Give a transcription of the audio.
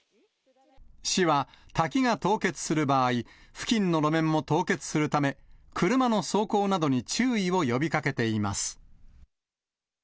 市は、滝が凍結する場合、付近の路面も凍結するため、車の走行などに注意を呼びかけています。